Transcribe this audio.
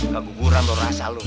gak guguran lu rasa lu